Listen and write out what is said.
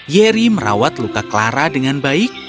yeri merawat luka clara dengan baik